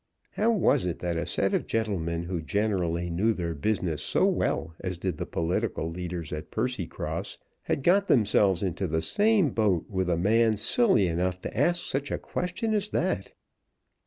How was it that a set of gentlemen, who generally knew their business so well as did the political leaders at Percycross, had got themselves into the same boat with a man silly enough to ask such a question as that?